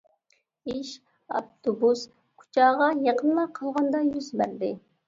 ئىش ئاپتوبۇس كۇچاغا يېقىنلا قالغاندا يۈز بەردى.